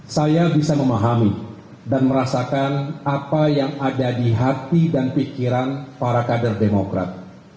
saya bisa memahami dan merasakan apa yang ada di hati dan pikiran para kader demokrat